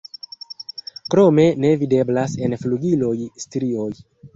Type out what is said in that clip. Krome ne videblas en flugiloj strioj.